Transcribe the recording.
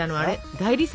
大理石。